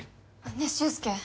ねえ周介。